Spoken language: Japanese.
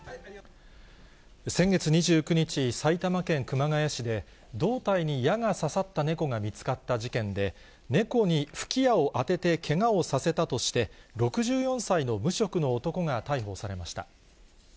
先月２９日、埼玉県熊谷市で、胴体に矢が刺さった猫が見つかった事件で、猫に吹き矢を当ててけがをさせたとして、６４歳の無職の男が逮捕されました。